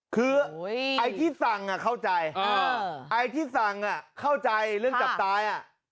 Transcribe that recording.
คือไอ้ที่สั่งเข้าใจเรื่องจับปลาย